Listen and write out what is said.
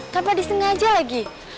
tanpa disengaja lagi